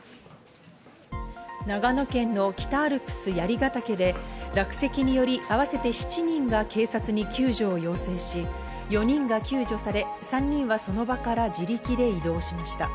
長野県の北アルプス槍ヶ岳で落石により合わせて７人が警察に救助を要請し、４人が救助され、３人はその場から自力で移動しました。